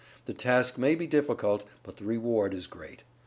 The task may be difficult, but the reward is great.